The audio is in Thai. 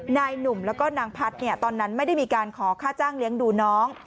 นายหนุ่มแล้วก็นางพัฒน์ตอนนั้นไม่ได้มีการขอค่าจ้างเลี้ยงดูน้อง